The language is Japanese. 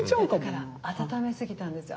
だから温めすぎたんですよ。